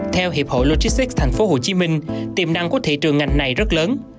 theo hiệp hội logistics tp hcm tiềm năng của thị trường ngành này rất lớn